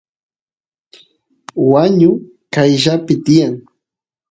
wañu qayllapi tiyan